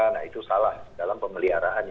nah itu salah dalam pemeliharaannya